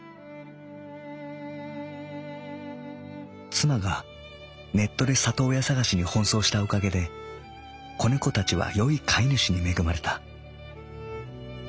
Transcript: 妻がネットで里親探しに奔走したおかげで仔猫たちはよい飼い主に恵まれた。